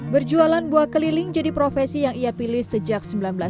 berjualan buah keliling jadi profesi yang ia pilih sejak seribu sembilan ratus sembilan puluh